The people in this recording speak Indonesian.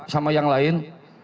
sama yang lain